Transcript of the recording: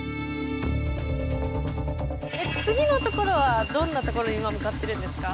次のところはどんなところに今向かってるんですか？